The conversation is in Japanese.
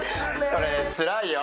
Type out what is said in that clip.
それ、つらいよ。